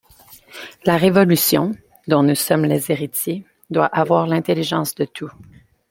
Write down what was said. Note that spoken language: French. La révolution, dont nous sommes les héritiers, doit avoir l’intelligence de tout.